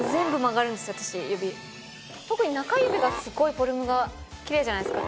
特に中指がすごいフォルムがキレイじゃないですか？